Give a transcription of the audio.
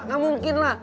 gak mungkin lah